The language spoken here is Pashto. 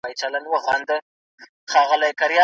چېرته به سره ګورو؟